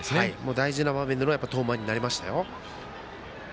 大事な場面での登板になりましたよ。